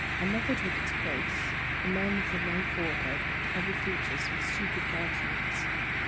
An other took his place; a man with a low forehead, heavy fea tures, and stupid countenance.